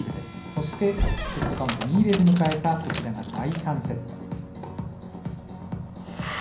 そして、セットカウント２−０で迎えたこちらが第３セット。